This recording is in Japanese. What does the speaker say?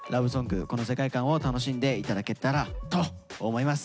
この世界観を楽しんでいただけたらと思います。